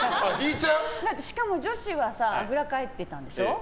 しかも女子はあぐらかいてたんでしょ？